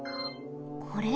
これ？